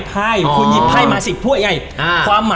ผมเปิดเลยนะเปิดดิสิบถ้วยไม่เสร็จโอ้